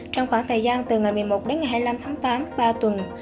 trong khoảng thời gian từ ngày một mươi một đến ngày hai mươi năm tháng tám ba tuần